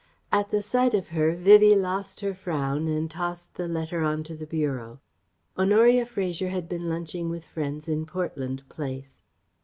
At the sight of her, Vivie lost her frown and tossed the letter on to the bureau. Honoria Fraser had been lunching with friends in Portland Place.